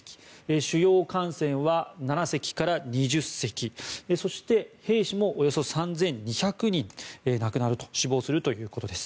主要艦船は７隻から２０隻そして兵士もおよそ３２００人死亡するということです。